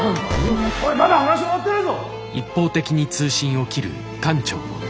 おいまだ話は終わってないぞ！